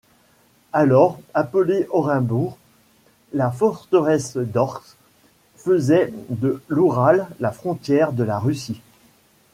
Alors appelée Orenbourg, la forteresse d'Orsk faisait de l'Oural la frontière de la Russie.